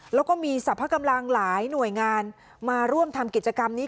แล้วก็มีสรรพกำลังหลายหน่วยงานมาร่วมทำกิจกรรมนี้